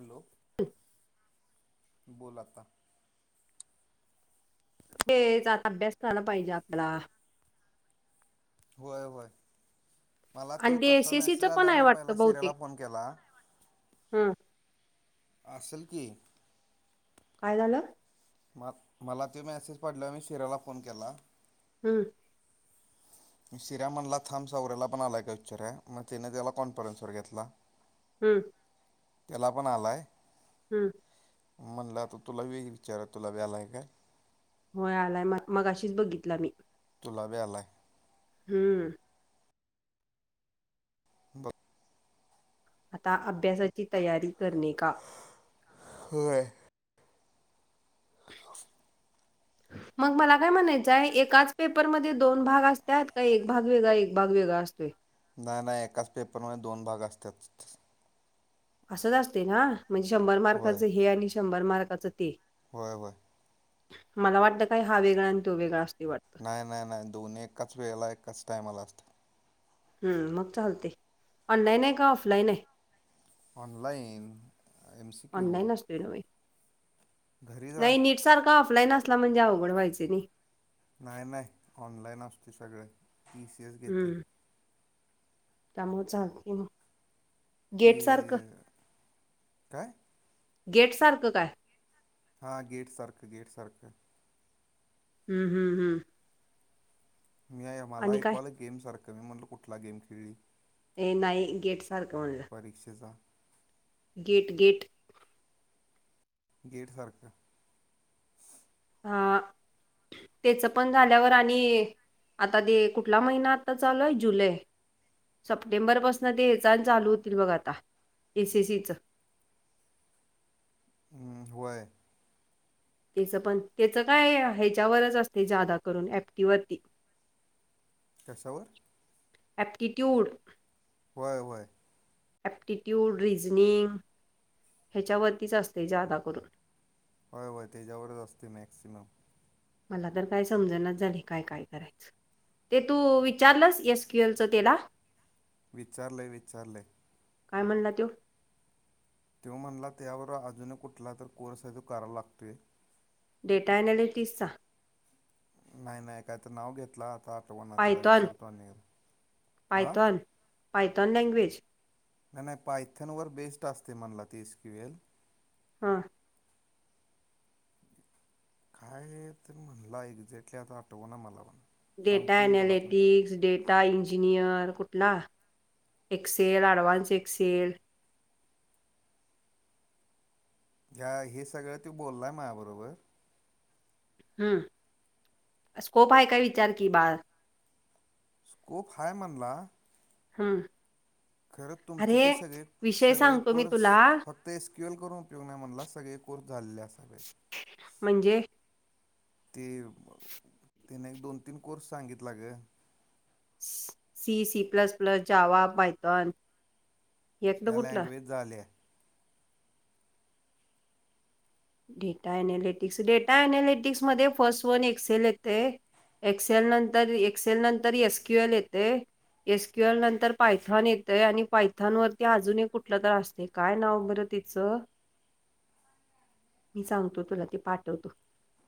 Hello हो बोलाता तेच आता अभ्यास झाला पाहिजे आपला होय होय मला आणि ते तसा मेसेज एसीसीचं पण आल्यावर आहे मी वाटत पहिला शिऱ्याला बहतेक फोन केला हम् अससल की काय झालं म मला ते मेसेज पडले मी शिराला फोन केला हम सिरामनला थां्सवररेला पण आलाय काय उच्चार आहे मग त्यािने त्याला कॉन्फरन्स वर घेतला हम्म त्याला पण आलाय हम्म म्हणलं आता तुला वे विचारा तुला व्यालाय का होय आलाय मग मग अशीच बघितला मी तुलाबे आय हम्म ब आता अभ्यासाची तयारी करणे का होय फ मग मला काय म्हणायचं आहे एकाच पेपरमध्येध्ये दोन भाग असतात का एक भाग वेगळा एक भाग वेगळा असतो नाही नाही एकाच पेपरमध्ये दोन भाग असतच असंच असते ना म्हणजे शंभर होय मार्काचं हे आणि शंभर मार्काचं ते होय होय मला वाटतं काय हा वेगळा आणि तो वेगळा अस वाटत नाही नाही नाही दोन एकाच वेळेला एकाच टायमाला असत हम्म मग चालते ऑनलाईन आहे का ऑफलाईन आहे online M C Q online असतोय घरी जा नाही नीट सारखा ऑफलाईन असला म्हणजे अवघड व्हायच नाही नाही नाही ऑनलाईन असते सगळे पी सी एच घेते हम्म त्यामुळे चालते म ती गेट सारखं काय? हा गेट सारख गेट सारख. हम हम हम. मी आ मला एक काय कॉल गेमसारखं मी म्हटलं कुठला गेम खेळली. ए नाही गेट सारखं म्हणलं. परीक्षेचा. GATE GATE. गेट सारक हा त्याच पण झाल्यावर आणि आता ते कुठला महिना आता चालूय जुलै सप्टेंबरपासून ते हेच आणि चालू होतील बघ आता एस एस सी चं. हम वय. त्याच पण त्याच काय ह्याच्यावरच असते जादा करून ऍपटीवरती. कशावर? ॲप्टिट्यूड. व्हय व्हय. ॲप्टिट्यूड रिझनिंग ह्याच्यावरतीच असते जादा करून. होय होय त्याच्यावरच असते मॅक्सिमम. मला तर काय समजणच झालय काय काय करायचं. ते तू विचारलंस एस क्यू एल चं त्याला? विचारलाय विचारलाय. काय म्हणला तोय. तो म्हणला त्यावर अजून कुठला तर कोर्स हाय तो कराव लागतोय. डेटा अनालिटीसचा. नाय नाय काय तर नाव घेतलं आता आठवना तिला पायथॉन विचारतो आ. Python Python language? नाय नाय पायथन वर बेस्ट असते म्हणला ती एस क्यू अल हा. काय तर म्हणला एक्झॅक्टली आता आठवना मला पण. डेटा सांगतो मी तुला आता अनालिटिक्स डे डेटा इंजिनियर कुठला एक्सेल ॲडव्हान्स एक्सेल ह्या हे सगळं तो बोललाय माझ्या बरोबर. हम्म स्कोप आहे काय विचार की बा स्कोप हाय म्हणला. हम. खरच तुमचे ते सगळे विषय सगळे सांगतो मी कोर्स तुला फक्त एस क्यू एल करून उपयोग नाही म्हणलं सगळे कोर्स झालेले असावे. म्हणजे? ते त्याने एक दोन तीन कोर्स सांगितला ग. C C plus plus Java Python. यातलं त्या कुठलं लँग्वेज झाल्या. डेटा अनालिटिक्स डेटा अनालिटिक्स मध्ये फर्स्ट वन एक्सेल येते. एक्सेल नंतर एक्सेल नंतर एस क्यू एल येते. एस क्यू एल नंतर पायथॉन येतय आणि पायथॉन वरती अजून एक कुठलं तर अस ते काय नाव बरं तिचं. मी सांगतो तुला ते पाठवतो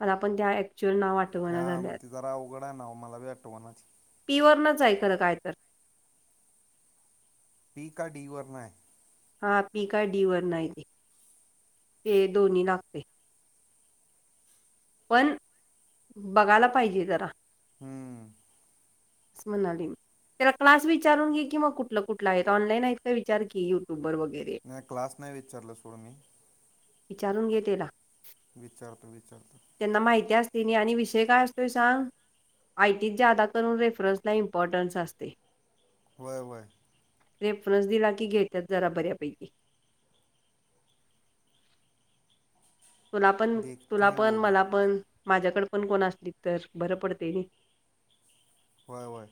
मला आपण त्या ऍक्च्युअल नाव आठवत ह्या मग ती जरा अवघड आहे ना मला बी आठवना ती. पि वरनाच हाय खर काय तर पी का डी वरण आहे हा पी का डी वरन आहे ते ते दोन्ही लागते पण बघायला पाहिजे जरा हम्म अस म्हणालीम त्याला क्लास विचारून घे की मग कुठलं कुठलं आहे ऑनलाईन आहेत का विचार की युट्यूब वर वगैरे नाही क्लास नाही विचारलं सोड मी विचारून घेते ला विचारत विचारतं [unintelligible] त्यांना माहिती असते आणि विषय काय असतोय सांग. आयटीत जादा करून रेफरन्स ला इम्पॉर्टन्स असते. होय होय. रेफरन्स दिला की घेतात जरा बऱ्यापैकी. तुला पण देखते तुला हैं पण वो भी मला पण माझ्याकड पण कोण असली तर बरं पडते नी. होय होय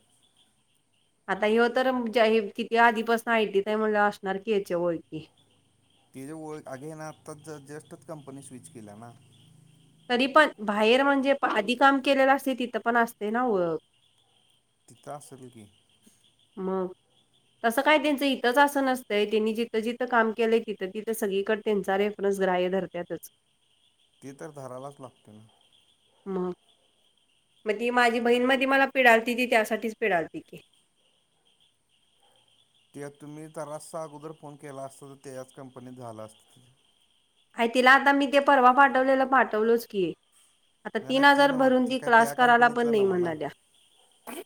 आता हे तर किती आधीपासून आयटी म्हलं असणार की याच्या ओळखी त जे ओळख आणि ना आत्ताच च जस्टच कंपनी स्विच केला ना तरी पण बाहेर म्हणजे आधी काम केलेलं असते तिथं पण असते ना तता असलगी म तसं काय त्यांचं इथंच असं नसतंय त्यांनी जिथं जिथं काम केलंय तिथं तिथं सगळीकडे त्यांच रे आपणच ग्रा्य धरत्याच ती तर धरायलाच लागते ना मग मग ती माझी बहीण म मला पिडालती ती त्यासाठीच पिडालती की ते तुम्ही त्यालासा अगोदर फोन केला असतं तर ते याच कंपनीत झालं असतंे आ तिला आता मी ते परवा पाठवलेलं पाठवलोच की आहे आता नाही तीन नाही ते हजार नव्ह भरून ती काय क्लास त्या करायला पण कंपनीतलं नाही नव्ह ना म्हणा द्या [inaudible]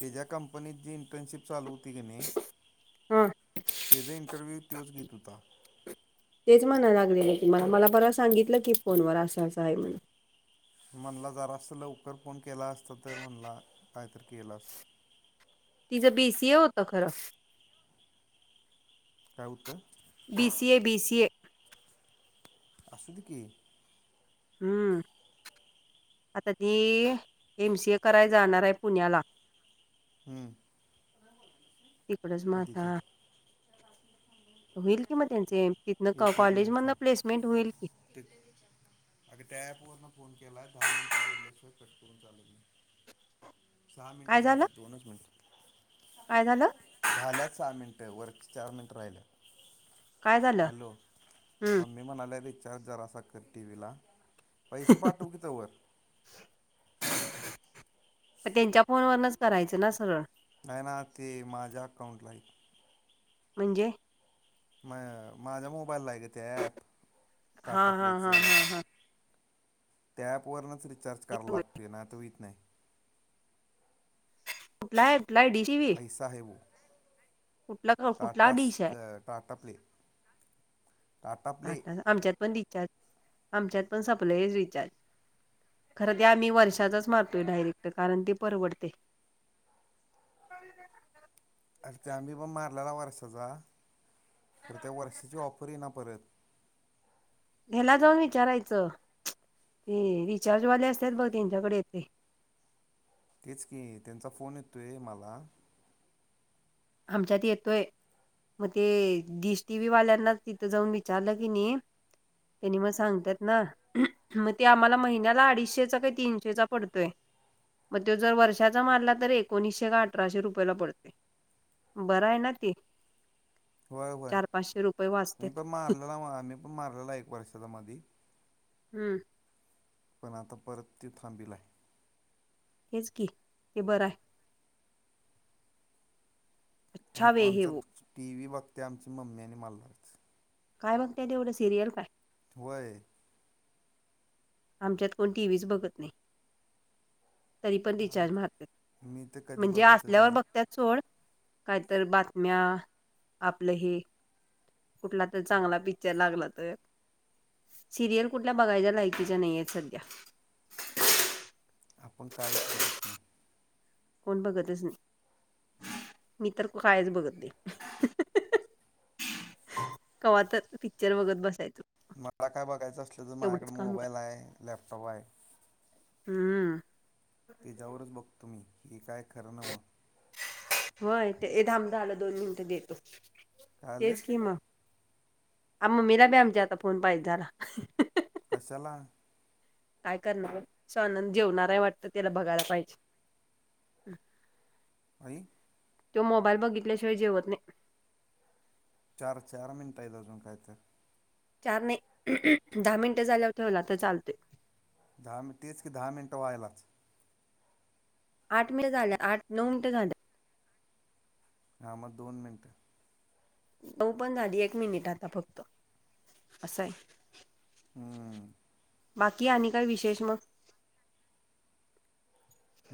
त्या ज्या कंपनीत जी इंटर्नशिप चालू होती की नाही. हा त्याचां इंटरव्ह्यू तोच घेत होता तेच म्हणा लागलेलं तुम्हाला मला परत सांगितलं की फोन वर असं असं आहे म्हण म्हणला जरा असं लवकर फोन केला असत तर म्हणला काहीतरी केलं असतं तिचं बीसीए होत खरं राऊतं बी सीए बी सीए अससू दे की हम्म आता ती एम सी ए कराय जाणार आहे पुण्याला हम ह तिकडच म आा होईल कि म त्यांचे तिथन एक एक कॉलेज मिनिट मध थांब प्लेसमेंट होईल की ते अगं त्या ऍप वरन फोन केला दहा मिनटं बोलल्याशिवाय कट करून चालेल मी सहा मिनटं काय झालं झाल्यात दोनच मिनट काय झालं झाल्या सहा मिनिटं वर चार मिनिटं राहिलं काय झालं हॅलो हम्म मम् ममी म्हणाले र चार्जर असा कर टी व्हीला पैसेे पाटू की तंवर त्यांच्या फोन वनच करायचं ना सरळ नाही ना ते माझ्या अकाउंटला एक म्हणजे म माझ्या मोबाईलला आहे ग ते ॲप हा टाटा हा हा प्लेचं हा हा त्या प वरूनच रिचार्ज करायला एवढं. लागतोय ना आता होत नाही आपलायलाय डश ऐसा हेऊ कुठला कुठला टाटा डिश स्क आहे टाटा प्लेिक आमच्यात पण रिचार्ज आमच्यात पण संपलं रिचार्ज खरं ते आम्ही वर्षाचाच मारतोय डायरेक्ट कारण ती परवडते अरे ते आम्ही ब मारलेला वर्षाचा खरे त्या वर्षाची ऑफरही ना परत ह्याला जाऊन विचारायचं ते रिचार्जवाले असतात बघ त्यांच्याकडे येथे तेच की त्यांचा फोन येत तोय मला आमच्यात येतोय मग ते डीश टी व्ही वाल्यांना तिथं जाऊन विचारलं की नाही त्यांनी मग सांगतात ना मग ते आम्हाला महिन्याला अडीचशेचा काही तीनशेचा पडतोय मग तो जर वर्षाचा मारला तर एकोणीसशे का अठराशे रुपयाला पडते बरं आहे ना ते होय होय चार पाचशे रुपये मी वाचतेत पण मारलेला आम्ही पण मारलेला एक वर्षाचा मध हम्म पण आता परत ती थांबीला आहे हेच की ते बरं आहे आणि अच्छा वे हे आमचा वो टी व्ही बघते आमची मम्मी आणि मलणारारच काय बघ त्या ते एवढं सिरियल काय? होय आमच्यात कोण टी व्हीच बघत नाही तरी पण आम- रिचार्ज मारत मी तर कधी म्हणजे बघतच असल्यावर बघ नाही बघतात सोड काहीतरी बातम्या आपलं हे कुठला तर चांगला पिक्चर लागला तर सिरियल कुठल्या बघायच्या लायकीच्या नाही आहेत सध्या आपुण कायच बघत नाही कोण बघतच नाही मी तर कायच बघत नाही कवाहा तर पिक्चर बघत बसायचं मला काय बघायचं असलं तर माझ्याकडे कर मोबाईल आहे लॅपटॉप आहे. हम्म त्याच्यावरच बघतो मी की काय खरं नव होय ते थांब जर दोन मिनटं देतो काय आलं तेच की मग आ मम्मीला बी आमच्या आता फोन पाहिजे झाला कशाला? काय करणार असं आनंद जेवणारय वाटतं त्याला बघायला पाहिजे हम्म आई तो मोबाईल बघितल्याशिवाय जेवत नाही चार चार मिनटं आहे आजून काय तर चार नाही दहा मिनटं झाल्यावर ठेवला तर चालते दहा मिनटं तेच की दहा मिनटं व्हायलाच आठ मी झालं आठ नऊ मिनटे झालं हा मग दोन मिनटं नऊ पण झाली एक मिनिट आता फक्त असं आहे हम्म बाकी आणि काय विशेष मग?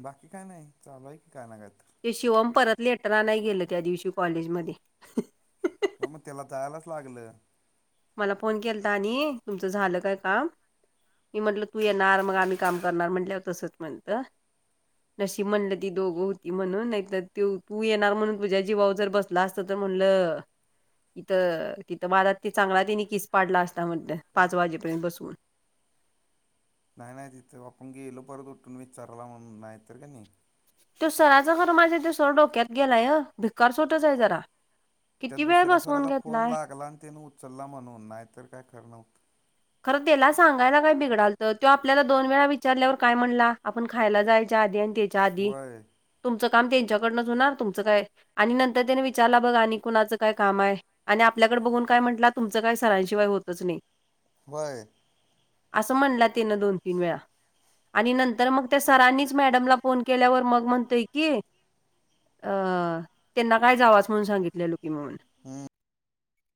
बाकी काय नाही चालूय की काय ना काय तर ते शिवम परत लेटर नाही गेलं त्या दिवशी कॉलेज मध्ये हो मग त्याला जायलाच लागलं मला फोन केलाता आणि तुमचं झालं काय काम मी म्हटलं तू येणार मग आम्ही काम करणार म्हटल्यावर तसंच म्हणत नशीब म्हणलं ती दोघं होती म्हणून तू येणार म्हणून तुझ्या जीवावर जर बस बसला असं तर म्हणलं इथं तिथं माझा ते चांगला त्यानी किस पाडला असता म्हटलं पाच वाजेपर्यंत बसवून नाही नाही तिथे आपण गेलो परत उठून विचाराला म्हणून नाहीतर का नाही. तो सराचं खर माझे तो सर डोक्यात गेलाय भिकार चोटच आहे जरा त्या किती वेळ दुसऱ्या बसवून सराचा फोन घेतलाय लागला आणि त्याने उचलला म्हणून नाहीतर काय खरं नव्हतं खरं त्याला सांगायला काय बिघडाल तर तो आपल्याला दोन वेळा विचारल्यावर काय म्हणला आपण खायला जायच्या आधी आणि त्या त्या आधी वय तुमचं काम त्यांच्याकडनंच होणार तुमचं काय? आणि नंतर त्याने विचारला बघ आणि कुणाचं काय काम हाय. आणि आपल्याकडे बघून काय म्हटलं तुमचं काय सरांनशिवाय होतच नाही होय असं म्हणलं तिनं दोन, तीन वेळा आणि नंतर मग त्या सरांनीच मॅडमला फोन के केल्यावर मग म्हणतोय की अ त्यांना काय जावा च म्हणून सांगितलेलो की म्हणून. हम्म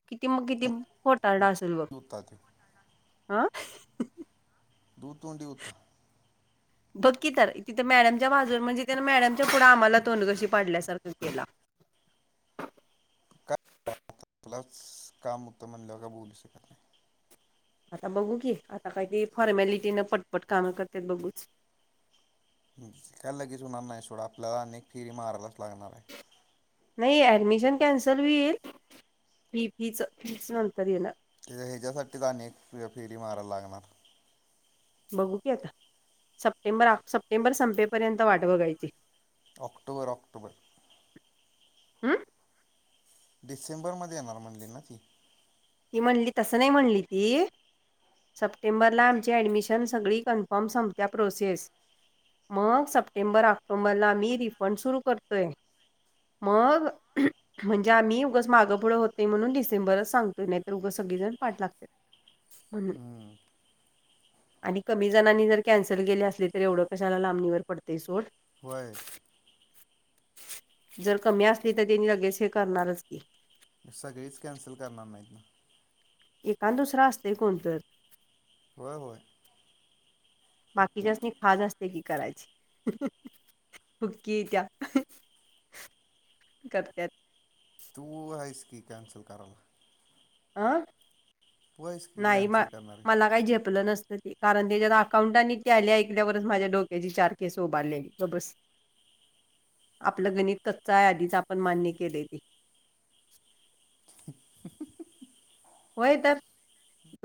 किती मग किती खोटारडा असेल बघ? म्हणतात अ. आ? दू तूंडी होत. बघकी तर तिथे मॅडमच्या बाजून म्हणजे मॅडमच्या पुढे आम्हाला तोंडघशी पाडल्यासारखं केला. काय आपलाच काम होत म्हणल्यावर काय बोलू शकत नाही. आता बघू की आता काय ते फॉर्मलिटीन पटपट कामं करतात बघूच. हम्म. काय लगेच होणार नाही सोडा, आपल्याला अनेक फेरी मारायलाच लागणार आहे. नाही ऍडमिशन कॅन्सल होईल. फी फी च फिच नंतर येणार. हे ह्याज्यासाठीच अनेक फेरी मारायला लागणार. बघू की आता सप्टेंबर सप्टेंबर संपेपर्यंत वाट बघायची. October October. हम्म. डिसेंबर मध्ये येणार म्हणली ना ती. ती म्हणली, तस नाही म्हणली ती सप्टेंबर ला आमची ऍडमिश एकदम सगळी कन्फर्म संपत्या प्रोसेस. मग सप्टेंबर, ऑक्टोबरला मी रिफंड सुरू करतोय. मग म्हणजे आम्ही उगच मागं पुुढं होतय म्हणून डिसेंबरच सांग नाही तर उगच सगळीजण पाठ लागतात म्हणून. हम्म, आणि कमी जणांनी जर कॅन्सल केल असली, तर एवढं कशाला लांबणीवर पडतय सोड. होय. जर कमी असली तर त्यांनी लगेच हे करणारच की. सगळीच कॅन्सल करणार नाहीत ना? एकांद, दुसरा असतय कोण तर? होय होय. बाकीच्यासनी खाज असते की करायची. अहं अहं. हुकी येत्या करत्यात. तू हाईस की कॅनसल कराला? अं तू आहेस की नाही म कॅन्सल करणारी मला काही झेपलं नस कारण ते जर अकाउंट आणि ते टॅली ऐकल्यावरच माझ्या डोक्याची चार केस उभारलेली गप बस. आपलं गणित कच्च हाय आधीच आपण मान्य केलय ते. होय तर.